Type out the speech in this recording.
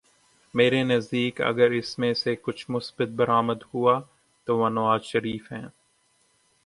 میرے نزدیک اگر اس میں سے کچھ مثبت برآمد ہوا تو وہ نواز شریف ہیں۔